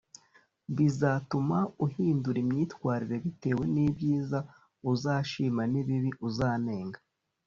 bizatuma uhindura imyitwarire bitewe n’ibyiza uzashima n’ibibi uzanenga.